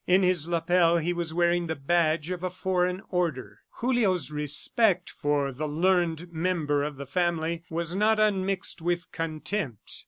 In his lapel he was wearing the badge of a foreign order. Julio's respect for the learned member of the family was not unmixed with contempt.